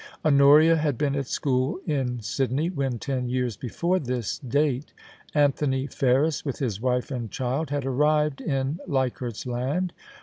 Honoria had been at school in Sydney when, ten years before this date, Anthony Ferris, with his wife and child, had arrived in Leichardt's Land.